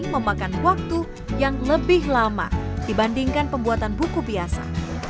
memakan waktu yang lebih lama dibandingkan pembuatan buku biasa